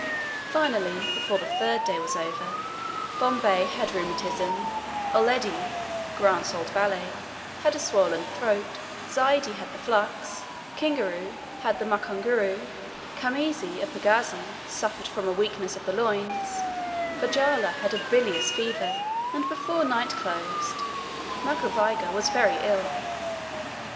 Finally, before the third day was over, Bombay had rheumatism, Uledi (Grant's old valet) had a swollen throat, Zaidi had the flux, Kingaru had the mukunguru; Khamisi, a pagazi, suffered from a weakness of the loins; Farjalla had a bilious fever; and before night closed Makoviga was very ill.